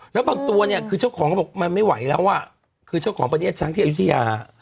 แล้วบางตัวเนี่ยคือเจ้าของเขาบอกมันไม่ไหวแล้วอ่ะคือเจ้าของประเทศช้างที่อายุทยา